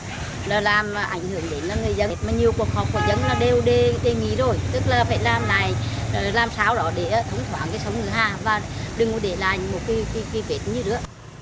mà nhiều cuộc họp của dân là đều đề nghỉ rồi tức là phải làm này làm sao đó để thống thoảng cái sông ngựa hà và đừng để lại một cái vẹn như nữa